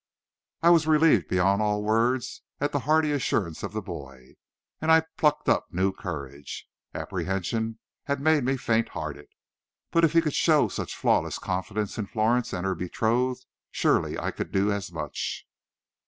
I was relieved beyond all words at the hearty assurance of the boy, and I plucked up new courage. Apprehension had made me faint hearted, but if he could show such flawless confidence in Florence and her betrothed, surely I could do as much.